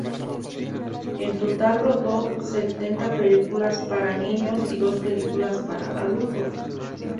En total rodó setenta películas para niños y dos películas para adultos.